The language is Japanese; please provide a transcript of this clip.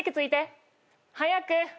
早く。